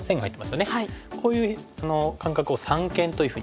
こういう間隔を三間というふうにですね。